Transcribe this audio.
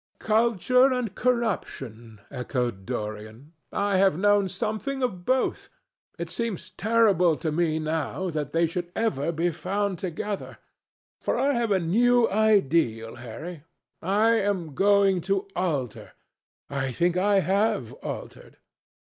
"Culture and corruption," echoed Dorian. "I have known something of both. It seems terrible to me now that they should ever be found together. For I have a new ideal, Harry. I am going to alter. I think I have altered."